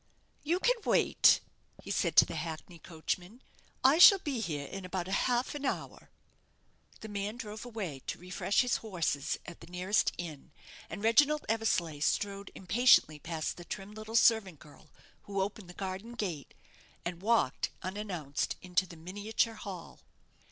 "You can wait," he said to the hackney coachman; "I shall be here in about half an hour." The man drove away to refresh his horses at the nearest inn, and Reginald Eversleigh strode impatiently past the trim little servant girl who opened the garden gate, and walked, unannounced, into the miniature hall.